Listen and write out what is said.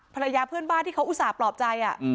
ภรรยาเพื่อนบ้านที่เขาอุตส่าหลอบใจ